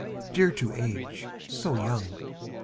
— dear to age, so young!